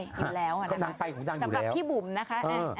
อยู่แล้วสำหรับพี่บุ๋มนะคะ